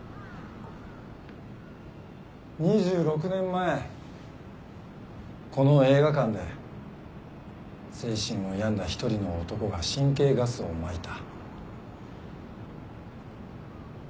２６年前この映画館で精神を病んだ一人の男が神経ガスをまいた。